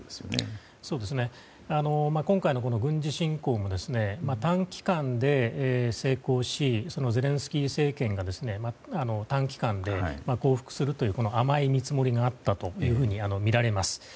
今回の軍事侵攻も短期間で成功し、ゼレンスキー政権が短期間で降伏するという甘い見積もりがあったとみられます。